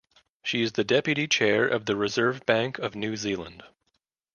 She is the deputy chair of the Reserve Bank of New Zealand.